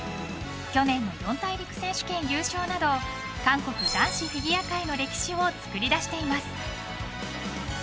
去年の四大陸選手権優勝など韓国男子フィギュア界の歴史を作り出しています。